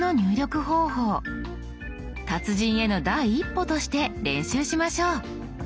達人への第一歩として練習しましょう。